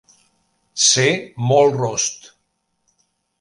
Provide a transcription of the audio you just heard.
Ser molt rost.